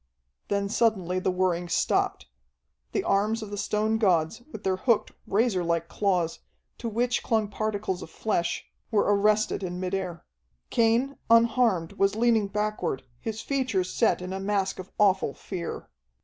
Then suddenly the whirring stopped. The arms of the stone gods, with their hooked, razorlike claws, to which clung particles of flesh, were arrested in mid air. Cain, unharmed, was leaning backward, his features set in a mask of awful fear.